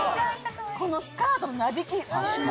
このスカートのなびき！